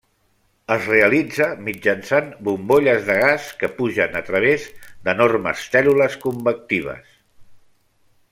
Es realitza mitjançant bombolles de gas que pugen a través d'enormes cèl·lules convectives.